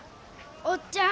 「おっちゃん。